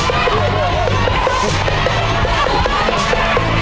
คอมพุม